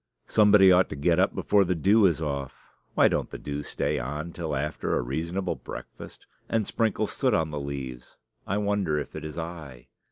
Somebody ought to get up before the dew is off (why don't the dew stay on till after a reasonable breakfast?) and sprinkle soot on the leaves. I wonder if it is I.